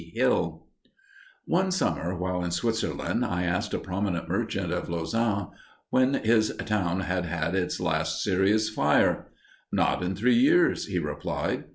HILL One summer, while in Switzerland, I asked a prominent merchant of Lausanne, when his town had had its last serious fire. "Not in three years," he replied.